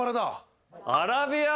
アラビア？